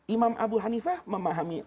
imam abu hanifah memahami